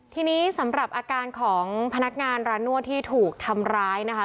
ทีนี้สำหรับอาการของพนักงานร้านนวดที่ถูกทำร้ายนะคะ